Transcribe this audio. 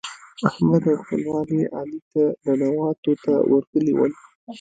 احمد او خپلوان يې علي ته ننواتو ته ورغلي ول.